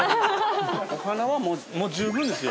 ◆お花はもう十分ですよ。